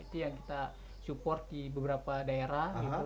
itu yang kita support di beberapa daerah